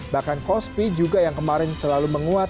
bahkan kospi juga yang kemarin selalu menguat